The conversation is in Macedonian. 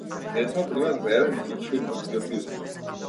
Ние сме пример за еден грчовит патриотизам.